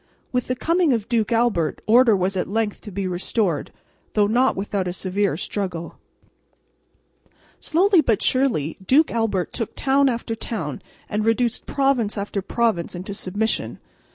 With the coming of Duke Albert order was at length to be restored, though not without a severe struggle. Slowly but surely Duke Albert took town after town and reduced province after province into submission.